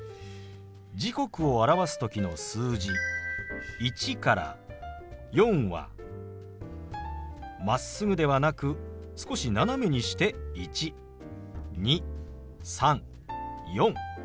時刻を表す時の数字１から４はまっすぐではなく少し斜めにして１２３４。